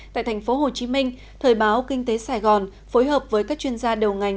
tại thành phố hồ chí minh thời báo kinh tế sài gòn phối hợp với các chuyên gia đầu ngành